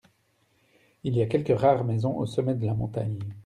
Il y a quelques rares maisons au sommet de la montagne.